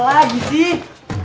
eh apa lagi sih